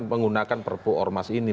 menggunakan perpu ormas ini